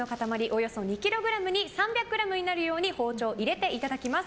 およそ２ｋｇに３００ｇになるように包丁を入れていただきます。